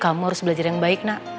kamu harus belajar yang baik nak